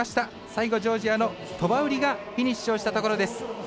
最後、ジョージアのトバウリがフィニッシュをしたところです。